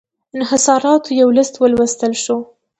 انحصاراتو یو لېست ولوستل شو.